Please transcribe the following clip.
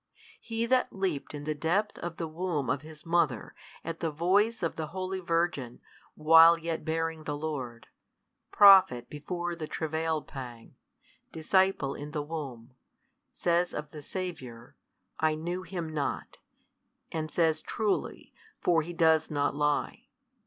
He that leaped in the depth of the womb of his mother at the voice of the Holy Virgin while yet bearing the Lord, prophet before the travail pang, disciple in the womb, says of the Saviour, I knew Him not, and says truly, for he does not lie.